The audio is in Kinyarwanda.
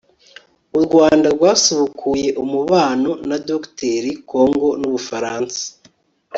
u rwanda rwasubukuye umubano na dr congo n'ubufaransa